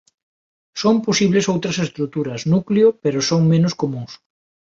Son posibles outras estruturas núcleo pero son menos comúns.